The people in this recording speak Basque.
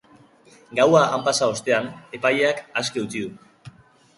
Gaua han pasa ostean, epaileak aske utzi du.